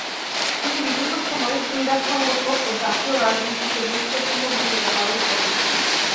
তিনি বিভিন্ন সময়ে ক্রীড়া সংগঠক ও জাতীয় রাজনীতিতে গুরুত্বপূর্ণ ভূমিকা পালন করেন।